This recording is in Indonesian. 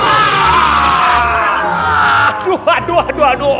aduh aduh aduh